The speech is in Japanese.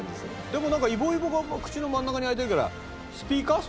でもなんかイボイボが口の真ん中に開いてるからスピーカー？